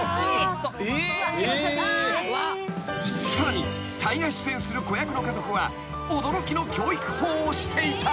［さらに大河出演する子役の家族は驚きの教育法をしていた］